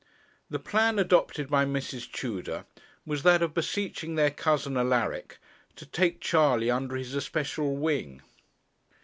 The plan adopted by Mrs. Tudor was that of beseeching their cousin Alaric to take Charley under his especial wing.